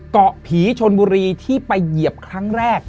เกาะผีชนบุรีที่ไปเหยียบครั้งแรก